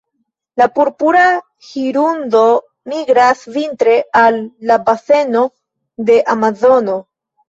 La Purpura hirundo migras vintre al la baseno de Amazono.